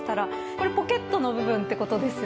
これポケットの部分ってことですよね。